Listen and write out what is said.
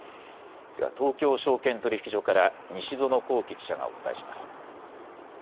では東京証券取引所から西園興起記者がお伝えします。